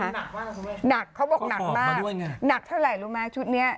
หนักมากหนักเขาบอกหนักมากด้วยไงหนักเท่าไหร่รู้ไหมชุดเนี้ย